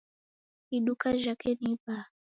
Iduka jhake ni ibaha.